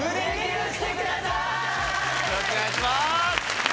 よろしくお願いします！